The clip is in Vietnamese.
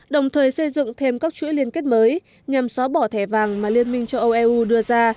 đồng thời xây dựng thêm các chuỗi liên kết mới nhằm xóa bỏ thẻ vàng mà liên minh châu âu eu đưa ra